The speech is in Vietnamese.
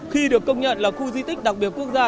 khi được công nhận là khu di tích đặc biệt quốc gia